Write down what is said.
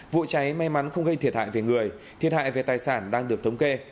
vụ cháy may mắn không gây thiệt hại về người thiệt hại về tài sản đang được thống kê